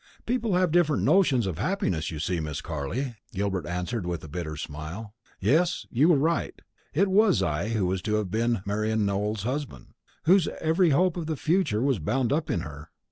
"People have different notions of happiness, you see, Miss Carley," Gilbert answered with a bitter smile. "Yes, you were right; it was I who was to have been Marian Nowell's husband, whose every hope of the future was bound up in her.